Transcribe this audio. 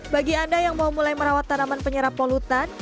bagi anda yang mau mulai merawat tanaman penyerap polutan